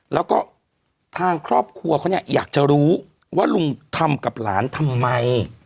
แล้วก็ทางครอบครัวเขาเนี่ยอยากจะรู้ว่าลุงทำกับหลานทำไม